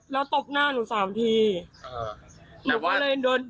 แล้วตบหน้าหนู๓ที